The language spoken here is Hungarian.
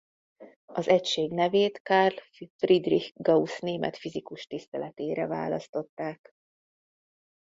Az egység nevét Carl Friedrich Gauss német fizikus tiszteletére választották.